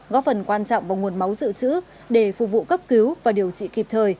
góp phần quan trọng vào nguồn máu dự trữ để phục vụ cấp cứu và điều trị kịp thời